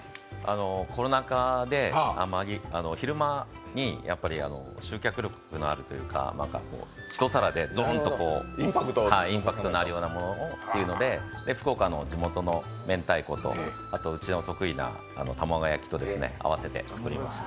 コロナ禍で昼間に集客力のあるというか１皿でドンとインパクトのあるものをということで、福岡の地元の明太子と、うちの得意な玉子焼きで作りました。